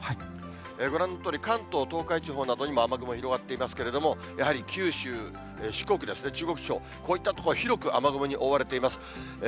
ご覧のとおり、関東、東海地方にも雨雲が広がっていますけれども、やはり九州、四国ですね、中国地方、こういった所、広く雨雲に覆われています。